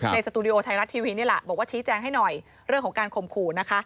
สตูดิโอไทยรัฐทีวีนี่แหละบอกว่าชี้แจงให้หน่อยเรื่องของการข่มขู่นะคะ